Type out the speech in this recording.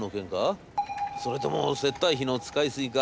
それとも接待費の使いすぎか？